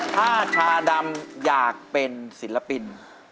ถ้าชาดำอยากเป็นศิลปิน